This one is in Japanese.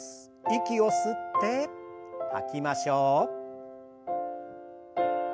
息を吸って吐きましょう。